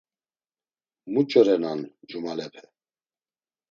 Muço renan cumalepe?